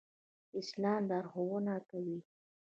اسلام لارښوونه کوي